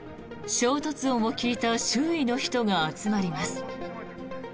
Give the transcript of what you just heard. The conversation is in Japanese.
衝突音を聞いた周囲の人が集まります。